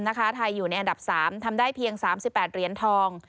ไทยอยู่ในอันดับ๓ทำได้เพียง๓๘เหรียญทอง